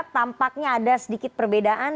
tampaknya ada sedikit perbedaan